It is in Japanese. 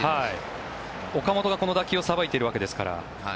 岡本がこの打球をさばいているわけですから。